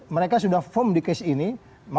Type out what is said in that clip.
mereka sudah firm di kcb